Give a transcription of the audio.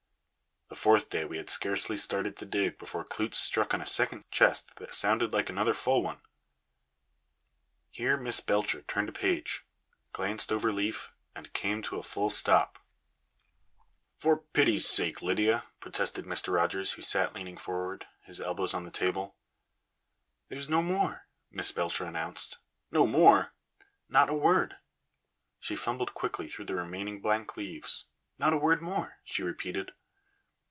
The fourth day we had scarcely started to dig before Klootz struck on a second chest that sounded like another full one Here Miss Belcher turned a page, glanced overleaf, and came to a full stop. "For pity's sake, Lydia " protested Mr. Rogers, who sat leaning forward, his elbows on the table. "There's no more," Miss Belcher announced. "No more?" "Not a word." She fumbled quickly through the remaining blank leaves. "Not a word more," she repeated.